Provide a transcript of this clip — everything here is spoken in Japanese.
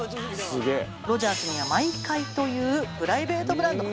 ロヂャースにはｍｙｋａｉというプライベートブランドが。